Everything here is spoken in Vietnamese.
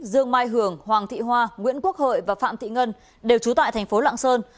dương mai hưởng hoàng thị hoa nguyễn quốc hợi và phạm thị ngân đều trú tại thành phố lạng sơn